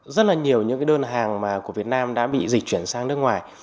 rất là nhiều đơn hàng của việt nam đã bị dịch chuyển sang nước ngoài